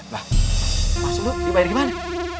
wah maksud lu dibayar gimana